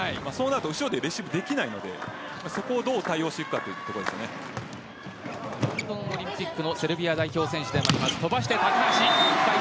後ろでレシーブができないのでそこを、どう対応していくかロンドンオリンピックのセルビア代表選手でもあります。